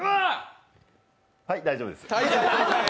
はい、大丈夫です。